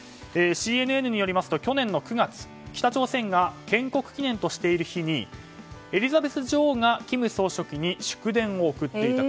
ＣＮＮによりますと去年９月北朝鮮が建国記念としている日にエリザベス女王が、金総書記に祝電を送っていた。